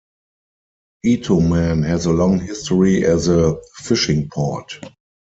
Itoman has a long history as a fishing port.